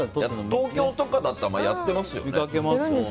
東京とかだったらやってますよ。